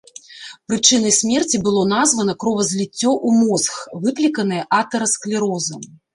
Прычынай смерці было названа кровазліццё ў мозг, выкліканае атэрасклерозам.